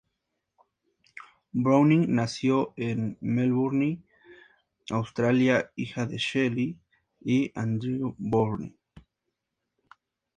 Browning nació en Melbourne, Australia, hija de Shelley y Andrew Browning.